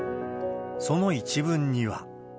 その一文には。